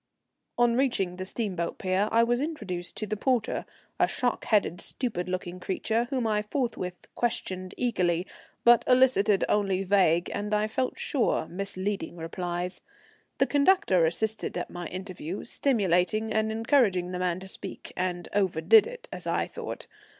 On reaching the steamboat pier I was introduced to the porter, a shock headed, stupid looking creature, whom I forthwith questioned eagerly; but elicited only vague and, I felt sure, misleading replies. The conductor assisted at my interview, stimulating and encouraging the man to speak, and overdid it, as I thought.